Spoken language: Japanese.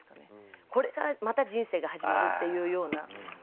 これからまた人生が始まるっていうような。